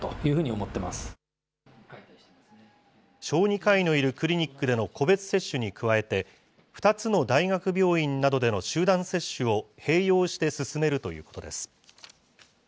小児科医のいるクリニックでの個別接種に加えて、２つの大学病院などでの集団接種を、併用して進めるということです。